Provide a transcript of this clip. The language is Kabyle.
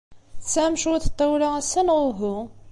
Tesɛam cwiṭ n tawla ass-a, neɣ uhu?